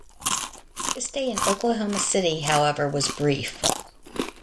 His stay in Oklahoma City, however, was brief.